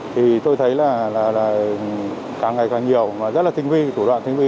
thì tôi thấy là càng ngày càng nhiều và rất là tinh vi thủ đoạn tinh vi